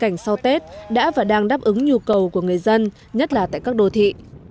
cảnh sau tết đã và đang đáp ứng nhu cầu của người dân nhất là tại các đô thị